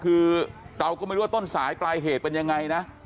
คือเราก็ไม่รู้ว่าต้นสายปลายเหตุเป็นยังไงนะ